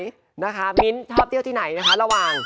มินทร์ที่ชอบเที่ยวไหนนะคะระหว่าง